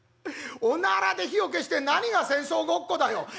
おならで火を消して何が戦争ごっこだよ」。